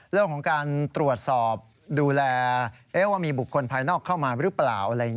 เรื่องของการตรวจสอบดูแลว่ามีบุคคลภายนอกเข้ามาหรือเปล่า